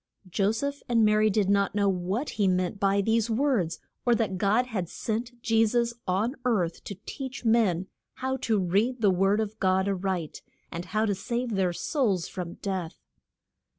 Jo seph and Ma ry did not know what he meant by these words, or that God had sent Je sus on earth to teach men how to read the word of God a right, and how to save their souls from death.